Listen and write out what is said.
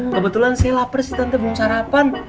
kebetulan sih lapar sih tante belum sarapan